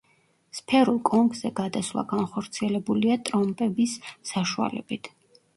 სფერულ კონქზე გადასვლა განხორციელებულია ტრომპების საშუალებით.